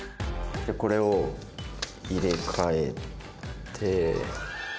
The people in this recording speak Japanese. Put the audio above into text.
これを入れ替えて。